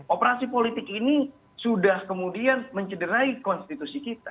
operasi politik ini sudah kemudian mencederai konstitusi kita